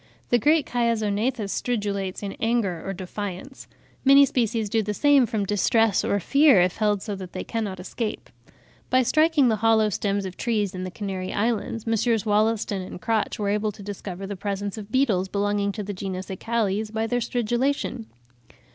The great Chiasognathus stridulates in anger or defiance; many species do the same from distress or fear, if held so that they cannot escape; by striking the hollow stems of trees in the Canary Islands, Messrs. Wollaston and Crotch were able to discover the presence of beetles belonging to the genus Acalles by their stridulation.